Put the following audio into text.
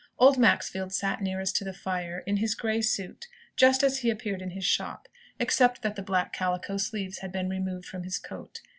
Old Maxfield sat nearest to the fire, in his grey suit, just as he appeared in his shop, except that the black calico sleeves had been removed from his coat.